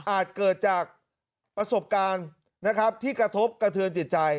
เกิดจากประสบการณ์นะครับที่กระทบกระเทือนจิตใจ